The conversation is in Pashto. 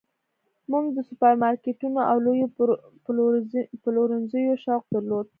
موږ د سوپرمارکیټونو او لویو پلورنځیو شوق درلود